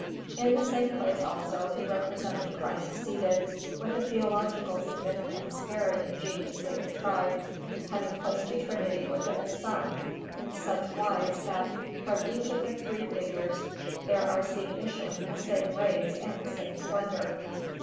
In the same place, also, he represented Christ seated, with a theological significance very ingeniously contrived, having placed the Trinity within a sun in such wise that from each of the three figures there are seen issuing the same rays and the same splendour.